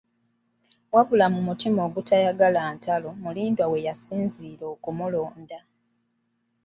Wabula mu mutima ogutayagala ntalo, Mulindwa mwe yasinziira okumulonda.